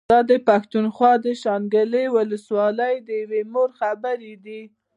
دا د پښتونخوا د شانګلې ولسوالۍ د يوې مور خبرې دي